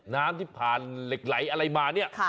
น้ำที่ผ่านเหล็กไหลอะไรมาเนี่ย